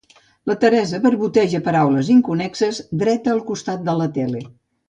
La Teresa barboteja paraules inconnexes, dreta al costat de la tele.